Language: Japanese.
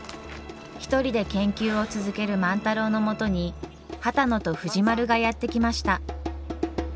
一人で研究を続ける万太郎のもとに波多野と藤丸がやって来ました。